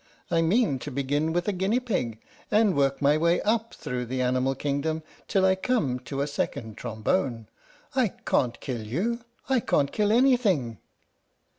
I mean to begin with a guinea pig and work my way up through the animal kingdom till I come to a Second Trombone. I cant kill you. I can't kill anything!"